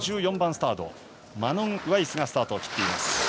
５４番スタートマノン・ウワイスがスタートを切っています。